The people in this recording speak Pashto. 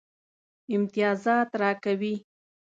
امتیازات راکوي.